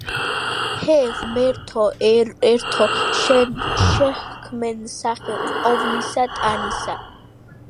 ჰე, ღმერთო ერთო, შენ შეჰქმენ სახე ყოვლისა ტანისა